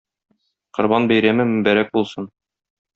Корбан бәйрәме мөбарәк булсын!